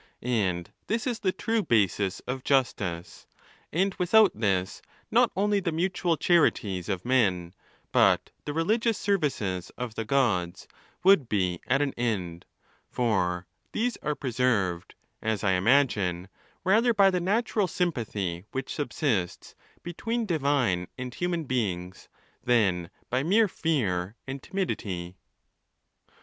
'And this is the true basis of justice, and without this not only the mutual charities of men, but the religious services of the Gods, would be at an end; for these are preserved, as I imagine, rather by the natural sympathy which subsists between divine and human beings, than by mere fear and timidity.